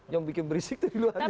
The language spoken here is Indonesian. yang bikin berisik itu di luarnya